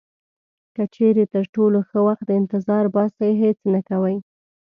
که چیرې تر ټولو ښه وخت ته انتظار باسئ هیڅ نه کوئ.